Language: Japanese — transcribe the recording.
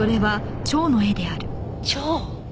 蝶？